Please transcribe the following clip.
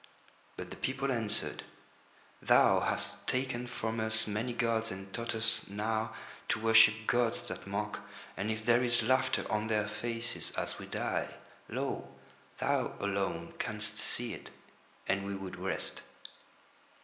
But the people answered: "Thou hast taken from us many gods and taught us now to worship gods that mock, and if there is laughter on their faces as we die, lo! thou alone canst see it, and we would rest."